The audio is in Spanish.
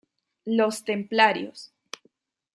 Los Templarios.